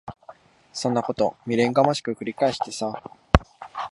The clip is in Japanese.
そんなこと未練がましく繰り返してさ。